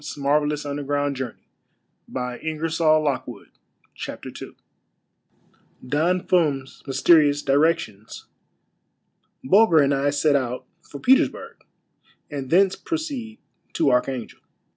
A MARVELLOUS UNDERGROUND JOURNEY 7 CHAPTER II DON FUM's mysterious DIRECTIONS. — BULGER AND I SET OUT FOR PETERSBURG, AND THENCE PROCEED TO ARCHANGEL.